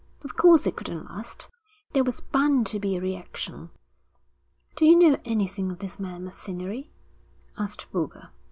Of course it couldn't last. There was bound to be a reaction.' 'Do you know anything of this man Macinnery?' asked Boulger.